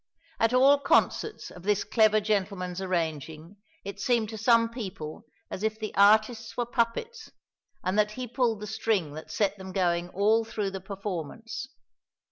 At all concerts of this clever gentleman's arranging it seemed to some people as if the artists were puppets, and that he pulled the string that set them going all through the performance.